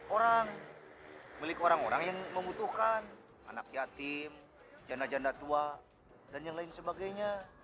orang milik orang orang yang membutuhkan anak yatim janda janda tua dan yang lain sebagainya